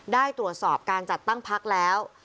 ได้ตรวจสอบการจัดตั้งพักแล้ว